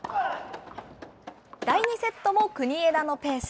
第２セットも国枝のペース。